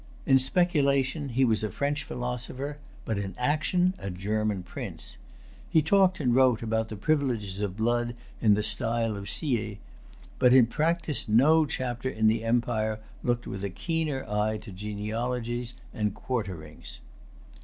In speculation, he was a French philosopher, but in action, a German prince. He talked and wrote about the privileges of blood in the style of Siêyes; but in practice no chapter in the empire looked with a keener eye to genealogies and quarterings.